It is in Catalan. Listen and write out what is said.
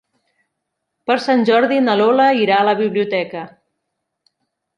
Per Sant Jordi na Lola irà a la biblioteca.